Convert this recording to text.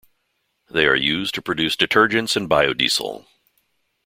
They are used to produce detergents and biodiesel.